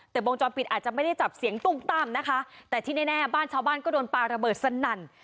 แต่วงจรปิดอาจจะไม่ได้จับเสียงตุ้งตั้มนะคะแต่ที่แน่บ้านชาวบ้านก็โดนปลาระเบิดสนั่น